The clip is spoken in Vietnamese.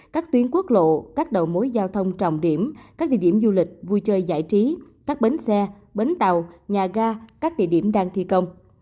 các tuyến quốc lộ các đầu mối giao thông trọng điểm các địa điểm du lịch vui chơi giải trí các bến xe bến tàu nhà ga các địa điểm đang thi công